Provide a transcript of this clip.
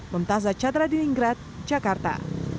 memtasa chadradiningrat jakarta